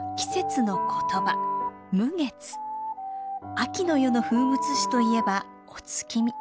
秋の夜の風物詩といえばお月見。